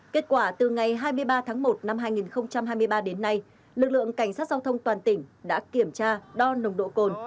kết quả từ ngày hai mươi ba tháng một năm hai nghìn hai mươi ba đến nay lực lượng cảnh sát giao thông toàn tỉnh đã kiểm tra đo nồng độ cồn